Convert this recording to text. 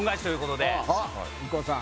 ＩＫＫＯさん。